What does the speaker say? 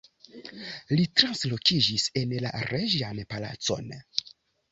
Li translokiĝis en la reĝan palacon.